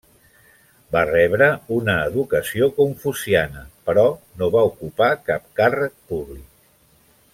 Va rebre una educació confuciana però no va ocupar cap càrrec públic.